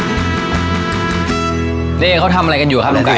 นี่เขาทำอะไรกันอยู่ครับลุงไก่